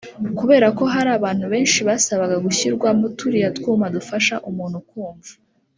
Kubera ko hari abantu benshi basabaga gushyirwamo turiya twuma dufasha umuntu kumva